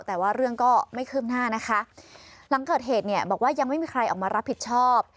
แต่ว่าเรื่องก็ไม่คืบหน้านะคะหลังเกิดเหตุเนี่ยบอกว่ายังไม่มีใครออกมารับผิดชอบ